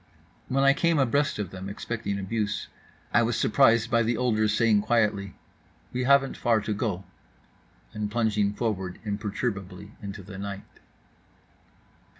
When I came abreast of them, expecting abuse, I was surprised by the older's saying quietly "We haven't far to go," and plunging forward imperturbably into the night.